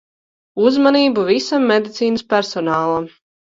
Uzmanību visam medicīnas personālam.